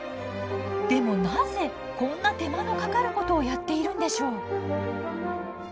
でもなぜこんな手間のかかることをやっているんでしょう。